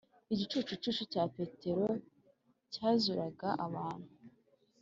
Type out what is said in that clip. igicucucu cya petero cya zuraga abantu